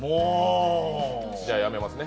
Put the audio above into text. じゃあやめますね。